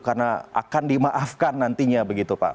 karena akan dimaafkan nantinya begitu pak